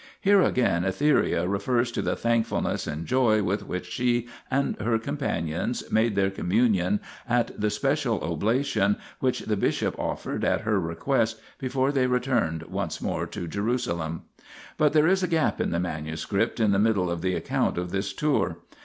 Here again Etheria refers to the thankfulness and joy with which she and her companions made their communion at the special oblation, which the bishop offered at her request before they returned once more to Jerusalem. 1 But there is a gap in the MS. in the middle of the account of this tour.